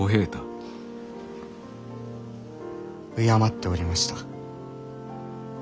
敬っておりました。